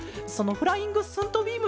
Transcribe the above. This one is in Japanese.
フライング・スントビーム！